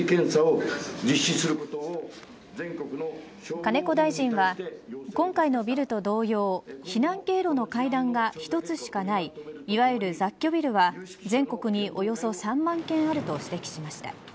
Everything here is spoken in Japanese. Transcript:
金子大臣は今回のビルと同様避難経路の階段が１つしかないいわゆる雑居ビルは全国におよそ３万軒あると指摘しました。